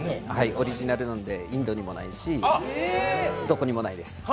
オリジナルなのでインドにもないし、どこにもないです。